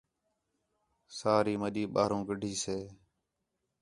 ساری مَݙّی ٻاہروں کَڈّھی سے